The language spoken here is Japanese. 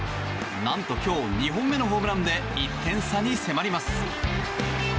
何と今日、２本目のホームランで１点差に迫ります。